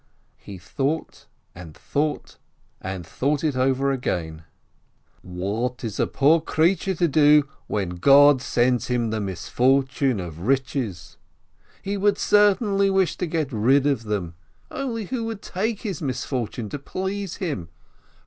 He thought and thought, and thought it over again : "What is a poor creature to do when God sends him the misfortune of riches? He would certainly wish to get rid of them, only who would take his misfortune to please him?